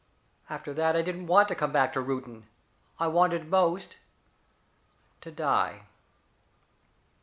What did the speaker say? After that I didn't want to come back to Reuton. I wanted most to die.